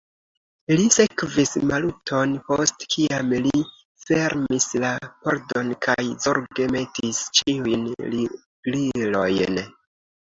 Li sekvis Maluton, post kiam li fermis la pordon kaj zorge metis ĉiujn riglilojn.